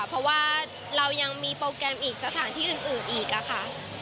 เพราะว่าเรายังมีโปรแกรมอีกสถานที่อื่นอีกค่ะ